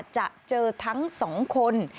จะเจอทั้ง๒คน